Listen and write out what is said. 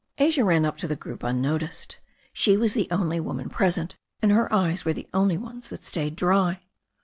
Asia ran up to the group unnoticed. She was the only woman present, and her eyes were the only ones that stayed dry.